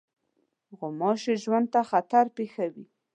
غوماشې ژوند ته خطر پېښوي.